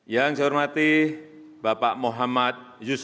yang saya hormati bapak muhammad yusuf